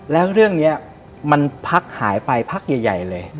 แล้วเรื่องนี้มันพักหายไปพักใหญ่เลย